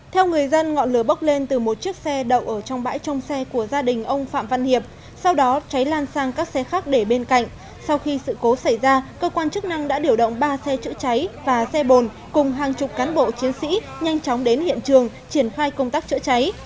theo người dân ngọn lửa bốc lên từ một chiếc xe đậu ở trong bãi trong xe của gia đình ông phạm văn hiệp sau đó cháy lan sang các xe khác để bên cạnh sau khi sự cố xảy ra cơ quan chức năng đã điều động ba xe chữa cháy và xe bồn cùng hàng chục cán bộ chiến sĩ nhanh chóng đến hiện trường triển khai công tác chữa cháy